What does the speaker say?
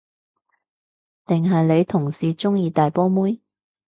定係你同事鍾意大波妹？